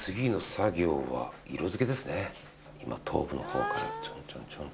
今頭部のほうからちょんちょんちょん。